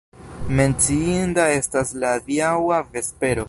Menciinda estas la adiaŭa vespero.